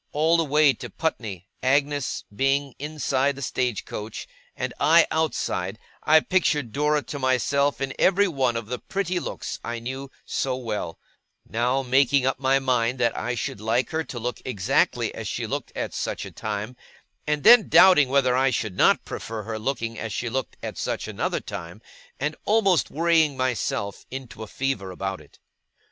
All the way to Putney, Agnes being inside the stage coach, and I outside, I pictured Dora to myself in every one of the pretty looks I knew so well; now making up my mind that I should like her to look exactly as she looked at such a time, and then doubting whether I should not prefer her looking as she looked at such another time; and almost worrying myself into a fever about it.